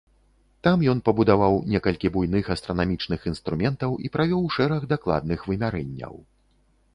Там ён пабудаваў некалькі буйных астранамічных інструментаў і правёў шэраг дакладных вымярэнняў.